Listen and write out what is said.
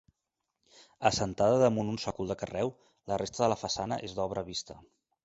Assentada damunt un sòcol de carreu, la resta de la façana és d'obra vista.